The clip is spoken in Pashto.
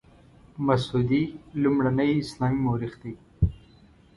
مسعودي لومړنی اسلامي مورخ دی.